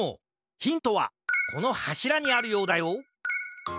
ヒントはこのはしらにあるようだよ